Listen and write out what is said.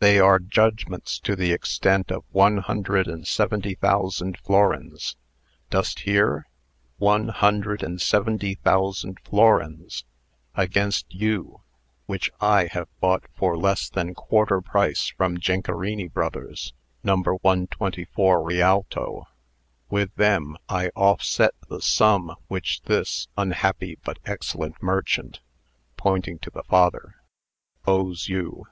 They are judgments to the extent of one hundred and seventy thousand florins dost hear? one hundred and seventy thousand florins against you, which I have bought for less than quarter price from Jinkerini Bros, No. 124 Rialto. With them I offset the sum which this unhappy but excellent merchant" (pointing to the father) "owes you.